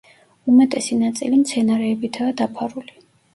უმეტესი ნაწილი მცენარეებითაა დაფარული.